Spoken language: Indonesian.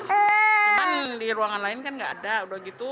cuman di ruangan lain kan nggak ada udah gitu